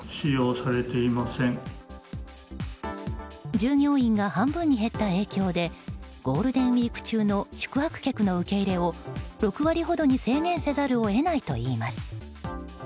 従業員が半分に減った影響でゴールデンウィーク中の宿泊客の受け入れを６割ほどに制限せざるを得ないといいます。